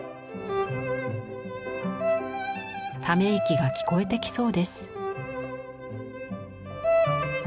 ため息が聞こえてきそうです。